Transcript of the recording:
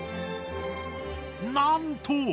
なんと！